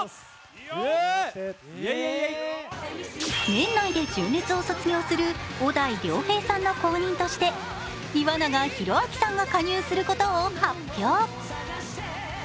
年内で純烈を卒業する小田井涼平さんの後任として岩永洋昭さんが加入することを発表。